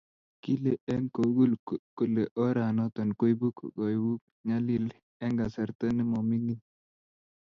Kile eng kougul kole oranoto koibuu kokoibuu nyalil eng kasarta ne mominig.